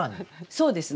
そうですね。